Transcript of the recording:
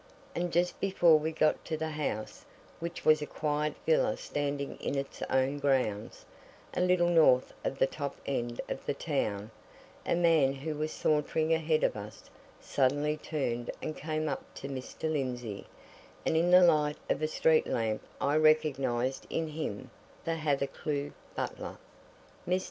And just before we got to the house, which was a quiet villa standing in its own grounds, a little north of the top end of the town, a man who was sauntering ahead of us, suddenly turned and came up to Mr. Lindsey, and in the light of a street lamp I recognized in him the Hathercleugh butler. Mr.